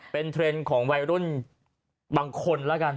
เป็นเทรนด์ของวัยรุ่นบางคนแล้วกัน